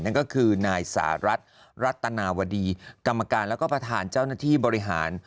นั่นก็คือนายสหรัฐรัตนาวดีกรรมการแล้วก็ประธานเจ้าหน้าที่บริหาร